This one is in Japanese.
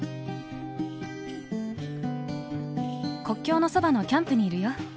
「国境のそばのキャンプにいるよ」。